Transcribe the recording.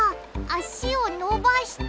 あしをのばした！